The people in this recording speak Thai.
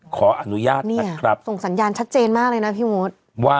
ขออนุญาตเนี่ยส่งสัญญาณชัดเจนมากเลยนะพี่มด